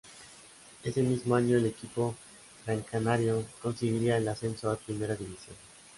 Ese mismo año el equipo grancanario conseguiría el ascenso a Primera División.